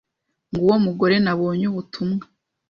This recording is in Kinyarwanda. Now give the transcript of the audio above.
Nguwo mugore nabonye ubutumwa.